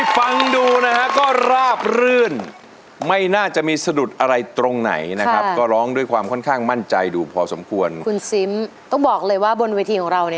วันในว่างให้มาบางครวยรวยไม่เคยลืมคำคนลำลูกตา